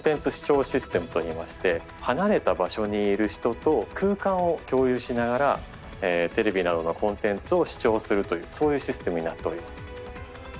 離れた場所にいる人と空間を共有しながらテレビなどのコンテンツを視聴するというそういうシステムになっております。